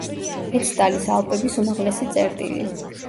ეცტალის ალპების უმაღლესი წერტილი.